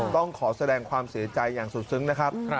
ต้องขอแสดงความเสียใจอย่างสุดซึ้งนะครับ